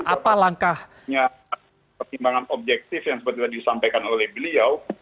apa langkahnya pertimbangan objektif yang seperti tadi disampaikan oleh beliau